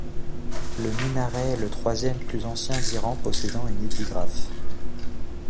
Le minaret est le troisième plus ancien d'Iran possédant une épigraphe.